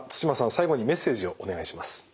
最後にメッセージをお願いします。